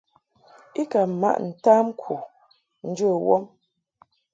I ka maʼ ntamku njə wɔm.